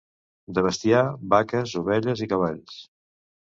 De bestiar, vaques, ovelles i cavalls.